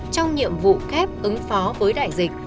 trong nhiệm vụ khép ứng phó với đại dịch